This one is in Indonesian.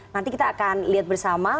nanti kita akan lihat bersama